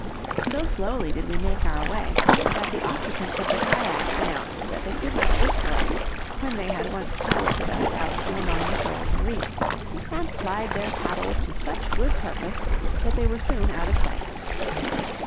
So slowly did we make our way, that the occupants of the cajack announced that they could not wait for us when they had once piloted us out from among the shoals and reefs, and plied their paddles to such good purpose that they were soon out of sight.